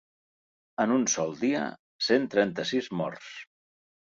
En un sol dia, cent trenta-sis morts.